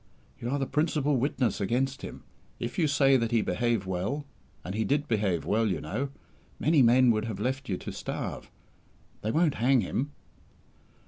"You are the principal witness against him. If you say that he behaved well and he did behave well, you know: many men would have left you to starve they won't hang him."